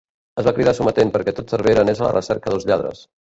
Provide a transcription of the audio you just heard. Es va cridar a sometent perquè tot Cervera anés a la recerca dels lladres.